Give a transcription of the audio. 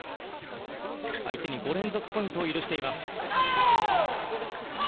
相手に５連続ポイントを許しています。